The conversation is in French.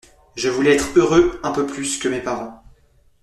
Je voulais être heureux un peu plus que mes parents.